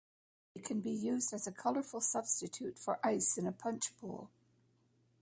They can be used as a colorful substitute for ice in a punch bowl.